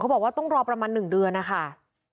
บอกว่าต้องรอประมาณ๑เดือนนะคะ